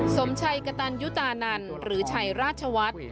สมชัยกระตันยุตานันหรือชัยราชวัฒน์